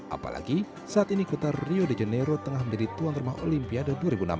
apalagi saat ini kota rio de janeiro tengah menjadi tuan rumah olimpiade dua ribu enam belas